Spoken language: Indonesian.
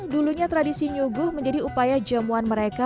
dulunya tradisi nyuguh menjadi upaya jamuan mereka